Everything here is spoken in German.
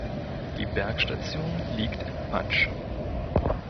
Die Bergstation liegt in Patsch.